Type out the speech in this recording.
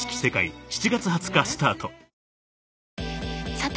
さて！